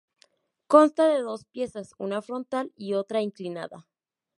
Consta de dos piezas, una frontal y otra inclinada.